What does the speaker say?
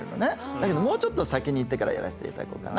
だけどもうちょっと先にいってからやらせていただこうかな。